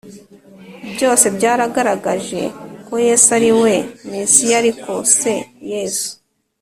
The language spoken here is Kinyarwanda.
Byose byagaragaje ko yesu ari we mesiya ariko se yesu